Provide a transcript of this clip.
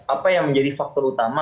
apa yang menjadi faktor utama